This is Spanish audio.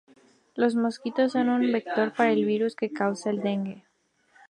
Los mosquitos son un vector para el virus que causa el dengue.